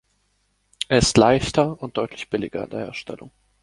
Er ist leichter und deutlich billiger in der Herstellung.